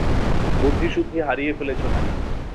বুদ্ধি-শুদ্ধি হারিয়ে ফেলেছো নাকি?